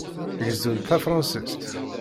Gezzunt tafṛensit?